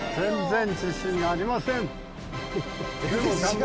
全然自信ありません。